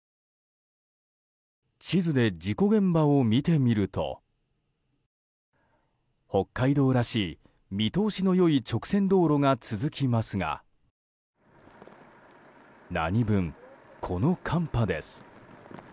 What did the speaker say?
地図で事故現場を見てみると北海道らしい、見通しの良い直線道路が続きますが何分、この寒波です。